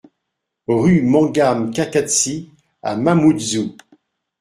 RUE MANGA M'KAKASSI à Mamoudzou